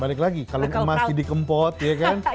balik lagi kalau emas dikempot ya kan